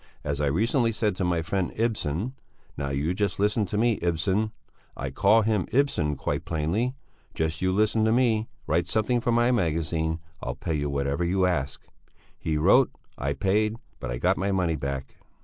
As I recently said to my friend Ibsen: 'Now just you listen to me, Ibsen' I call him Ibsen, quite plainly 'just you listen to me, write something for my magazine. I'll pay you whatever you ask!' He wrote I paid but I got my money back."